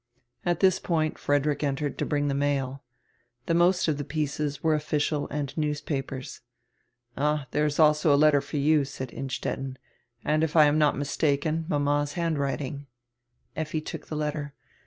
At this point Frederick entered to bring die mail. The most of the pieces were official and newspapers. "All, diere is also a letter for you," said Innstetten. "And, if I am not mistaken, mama's handwriting." Effi took die letter.